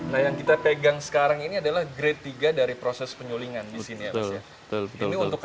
nah yang kita pegang sekarang ini adalah grade tiga dari proses penyulingan di sini ya mas ya